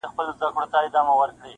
جهاني مي د پښتون غزل اسمان دی,